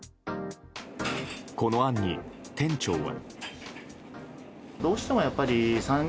この案に、店長は。